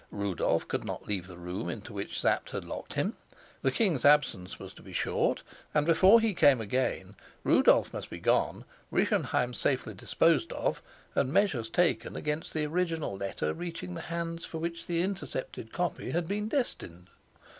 Rudolf could not leave the room into which Sapt had locked him; the king's absence was to be short, and before he came again Rudolf must be gone, Rischenheim safely disposed of, and measures taken against the original letter reaching the hands for which the intercepted copy had been destined.